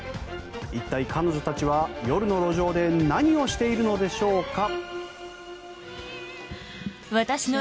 一体、彼女たちは夜の路上で何をしているのでしょうか。